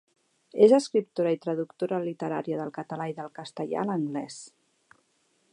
És escriptora i traductora literària del català i del castellà a l’anglès.